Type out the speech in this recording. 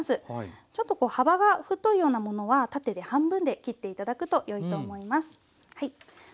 ちょっとこう幅が太いようなものは縦で半分で切って頂くとよいと思います。